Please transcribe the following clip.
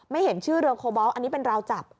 เห็นชื่อเรืองโคบอลอันนี้เป็นราวจับ